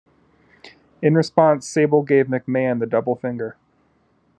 In response, Sable gave McMahon the double finger.